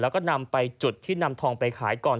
แล้วก็นำไปจุดที่นำทองไปขายก่อน